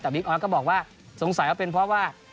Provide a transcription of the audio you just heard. แต่บิ๊กออสก็บอกว่าสงสัยว่าเป็นเพราะว่า